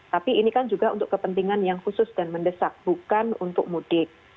tapi ini kan juga untuk kepentingan yang khusus dan mendesak bukan untuk mudik